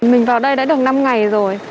mình vào đây đã được năm ngày rồi